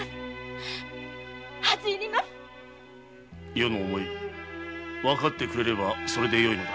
余の思い分かってくれればそれでよいのだ。